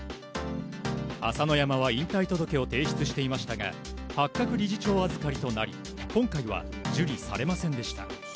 朝乃山は引退届を提出していましたが八角理事長預かりとなり今回は受理されませんでした。